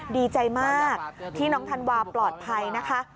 ดีใจมากที่น้องธันวาปลอดภัยนะคะ